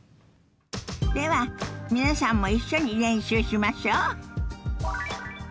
では皆さんも一緒に練習しましょ。